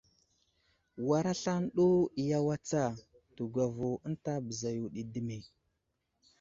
War aslane ɗo iyaway tsa, təgwavo ənta bəza yo ɗi dəme !